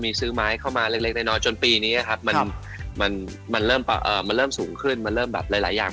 มีซื้อไม้เข้ามาเล็กน้อยจนปีนี้ครับมันเริ่มสูงขึ้นมันเริ่มแบบหลายอย่าง